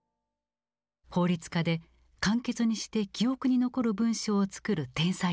法律家で簡潔にして記憶に残る文章を作る天才だった。